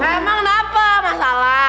emang kenapa masalah